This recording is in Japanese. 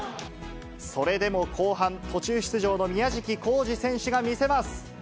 それでも後半、途中出場の宮食行次選手が見せます。